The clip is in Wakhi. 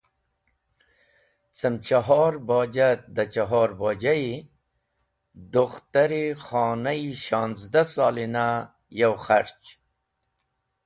Cem chohr boja et da chohr bojayi dukhtar-e khona-e shonzda silina yow kharch.